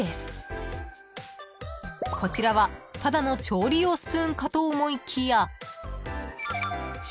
［こちらはただの調理用スプーンかと思いきや］